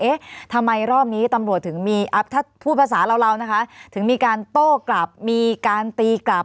เอ๊ะทำไมรอบนี้ตำรวจถึงมีถ้าพูดภาษาเรานะคะถึงมีการโต้กลับมีการตีกลับ